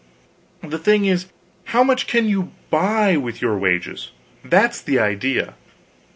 The thing is, how much can you buy with your wages? that's the idea.